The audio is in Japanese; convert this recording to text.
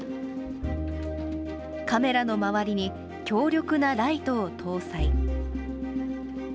カメラの周りに強力なライトを搭載。